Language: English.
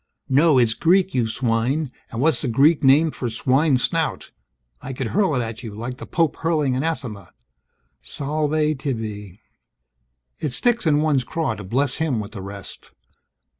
(No, it's Greek, you swine. And what's the Greek name for Swine's Snout? I could hurl it at you, like the Pope hurling anathema.) Salve tibi! It sticks in one's craw to bless him with the rest.